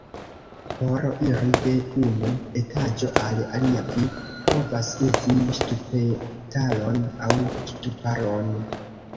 Por iri de unu etaĝo al alia, vi povas uzi ŝtupetaron aŭ ŝtuparon.